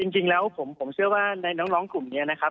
จริงแล้วผมเชื่อว่าในน้องกลุ่มนี้นะครับ